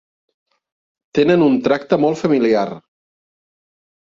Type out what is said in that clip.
Tenen un tracte molt familiar.